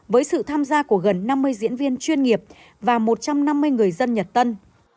với sự tham gia của gần năm mươi diễn viên chuyên nghiệp và một trăm năm mươi người dân nhật tân